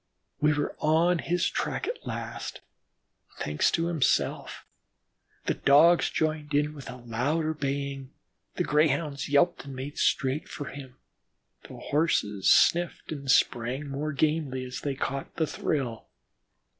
We were on his track at last, thanks to himself. The Dogs joined in with a louder baying, the Greyhounds yelped and made straight for him, and the Horses sniffed and sprang more gamely as they caught the thrill.